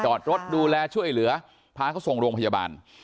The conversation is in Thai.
จอดรถดูแลช่วยเหลือพาเขาส่งโรงพยาบาล